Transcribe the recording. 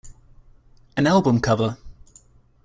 An album cover.